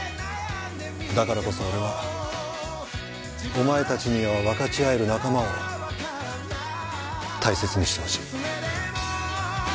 だからこそ俺はお前たちには分かち合える仲間を大切にしてほしい。